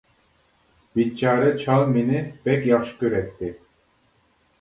بىچارە چال مېنى بەك ياخشى كۆرەتتى.